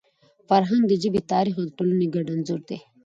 فرهنګ د ژبي، تاریخ او ټولني ګډ انځور دی.